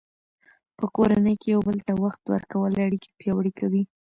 په کورنۍ کې یو بل ته وخت ورکول اړیکې پیاوړې کوي.